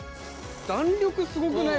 弾力すごくない？